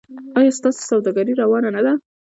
ایا ستاسو سوداګري روانه نه ده؟